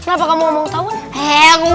apakah lo yang top tardegah